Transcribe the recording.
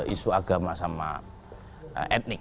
isu agama sama etnik